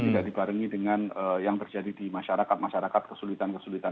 tidak dibarengi dengan yang terjadi di masyarakat masyarakat kesulitan kesulitan